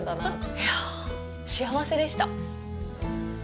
いや、幸せでした。